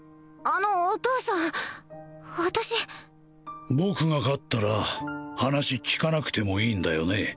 あのお父さん私僕が勝ったら話聞かなくてもいいんだよね？